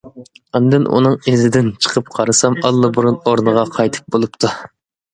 ئاندىن ئۇنىڭ ئىزىدىن چىقىپ قارىسام ئاللىبۇرۇن ئورنىغا قايتىپ بولۇپتۇ.